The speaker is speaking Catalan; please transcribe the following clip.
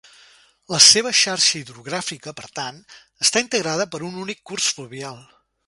La seva xarxa hidrogràfica, per tant, està integrada per un únic curs fluvial.